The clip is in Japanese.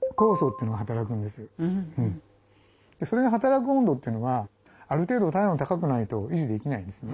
それが働く温度というのはある程度体温高くないと維持できないんですね。